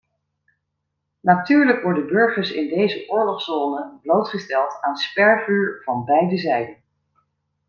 Natuurlijk worden burgers in deze oorlogszone blootgesteld aan spervuur van beide zijden.